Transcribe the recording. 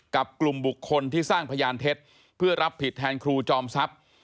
กลุ่มบุคคลที่สร้างพยานเท็จเพื่อรับผิดแทนครูจอมทรัพย์